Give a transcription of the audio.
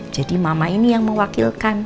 jadi mama ini yang mewakilkan